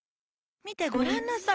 みてごらんなさい